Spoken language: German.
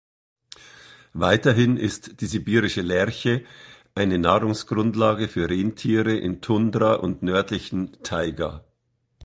Weiterhin ist die Sibirische Lärche eine Nahrungsgrundlage für Rentiere in Tundra und nördlichen Taiga.